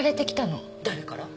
誰から？